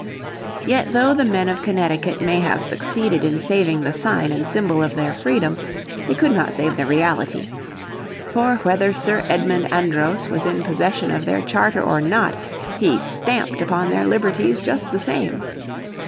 Yet though the men of Connecticut may have succeeded in saving the sign and symbol of their freedom, they could not save the reality. For whether Sir Edmund Andros was in possession of their charter or not he stamped upon their liberties just the same.